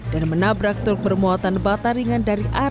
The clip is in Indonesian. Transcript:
dan menabrak truk bermuatan bata ringan dari arah berlengkak